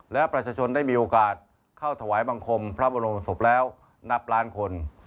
และประชาชนได้มีโอกาสเข้าถวายบังคมพระบรมศพแล้วนับล้านคน